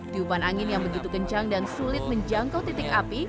tiupan angin yang begitu kencang dan sulit menjangkau titik api